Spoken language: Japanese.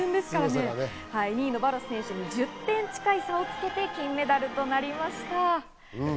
２位のバロス選手に１０点近い差をつけて、金メダルとなりました。